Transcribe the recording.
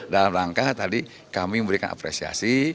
dalam rangka tadi kami memberikan apresiasi